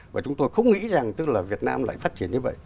và chúng tôi không nghĩ rằng việt nam lại phát triển như vậy